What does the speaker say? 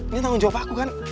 ini tanggung jawab aku kan